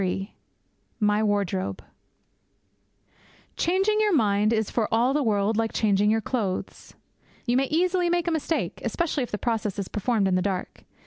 III MY WARDROBE Changing your mind is for all the world like changing your clothes. You may easily make a mistake, especially if the process is performed in the dark.